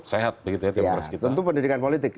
sehat tentu pendidikan politik